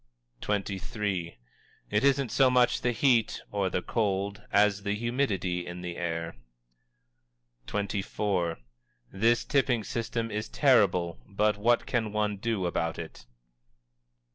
_" XXIII. "It isn't so much the heat (or the cold), as the humidity in the air." XXIV. "_This tipping system is terrible, but what can one do about it?